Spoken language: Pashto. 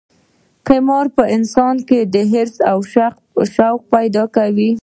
قمار په انسان کې حرص او شوق پیدا کوي.